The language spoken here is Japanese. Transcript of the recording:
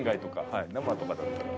はい生とかだったら。